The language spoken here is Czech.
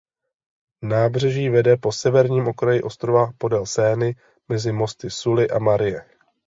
Nábřeží vede po severním okraji ostrova podél Seiny mezi mosty Sully a Marie.